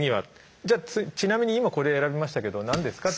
「じゃあちなみに今これ選びましたけど何でですか？」